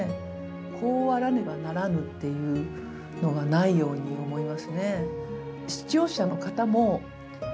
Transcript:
こうあらねばならぬっていうのがないように思いますね。